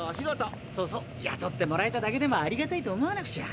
やとってもらえただけでもありがたいと思わなくちゃ。